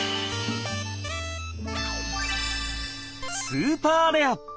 スーパーレア！